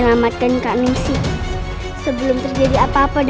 kakak kakak ini tidak apa apa